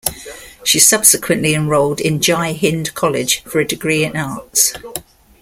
She subsequently enrolled in Jai Hind College for a degree in Arts.